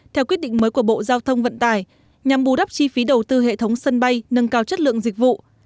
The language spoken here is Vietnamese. theo quyết định mới của bộ giao thông vận tải nhằm bù đắp chi phí đầu tư hệ thống sân bay nâng cao chất lượng dịch vụ